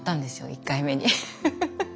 １回目に。